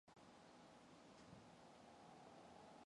Ай надад далайн өвчин бүү хүрээсэй.